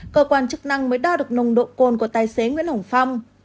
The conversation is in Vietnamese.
cơ quan chức năng mới đo được nồng độ cồn của tài xế nguyễn hồng phong